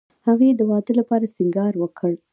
هغې د واده لپاره سینګار وکړ